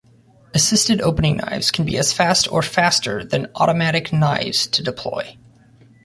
Assisted opening knives can be as fast or faster than automatic knives to deploy.